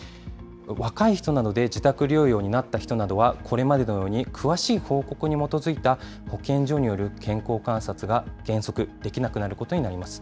若い人などで自宅療養になった人などは、これまでのように詳しい報告に基づいた保健所による健康観察が原則できなくなることになります。